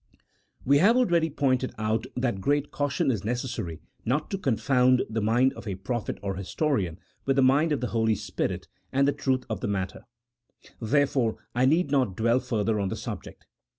We have already pointed out that great caution is necessary not to confound the mind of a prophet or historian with the mind of the Holy Spirit and the truth of the matter ; therefore I need not dwell further on the subject.